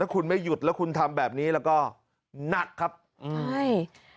คุณไม่หยุดแล้วคุณทำแบบนี้แล้วก็หนักครับใช่